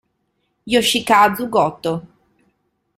Yoshikazu Gotō